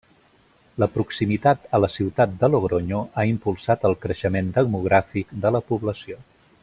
La proximitat a la ciutat de Logronyo ha impulsat el creixement demogràfic de la població.